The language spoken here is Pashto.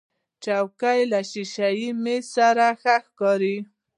چوکۍ له شیشهيي میز سره ښه ښکاري.